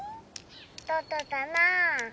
どこかな？